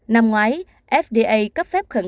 năm ngoái fda cấp phép khẩn cấp